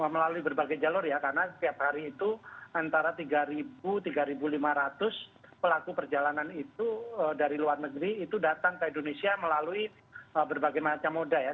melalui berbagai jalur ya karena setiap hari itu antara tiga tiga lima ratus pelaku perjalanan itu dari luar negeri itu datang ke indonesia melalui berbagai macam moda ya